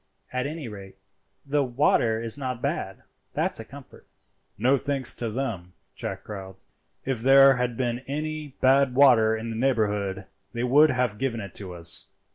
At any rate, the water is not bad, that's a comfort." "No thanks to them," Jack growled. "If there had been any bad water in the neighbourhood they would have given it to us."